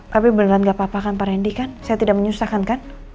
tapi beneran gak apa apa kan pak randy kan saya tidak menyusahkan kan